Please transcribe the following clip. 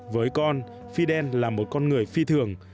với con fidel là một con người phi thường